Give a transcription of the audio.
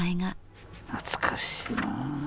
懐かしいなぁ。